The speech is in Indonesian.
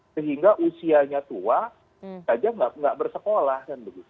sehingga usianya tua saja nggak bersekolah